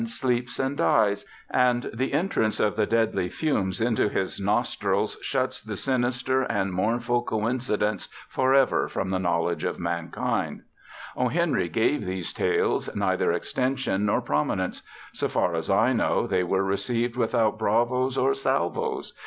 In the bed in which the girl slept and died, the man sleeps and dies, and the entrance of the deadly fumes into his nostrils shuts the sinister and mournful coincidence forever from the knowledge of mankind. O. Henry gave these tales neither extension nor prominence; so far as I know, they were received without bravos or salvos.